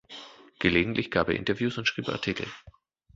Gelegentlich gab er Interviews und schrieb Artikel.